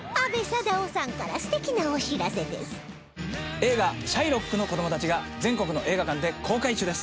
映画『シャイロックの子供たち』が全国の映画館で公開中です。